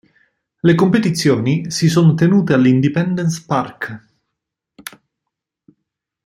Le competizioni si sono tenute all'Independence Park.